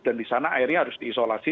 dan di sana akhirnya harus diisolasi